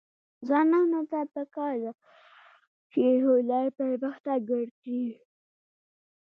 ځوانانو ته پکار ده چې، هنر پرمختګ ورکړي.